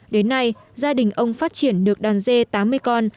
đến nay gia đình ông phát triển được đàn dê tám mươi con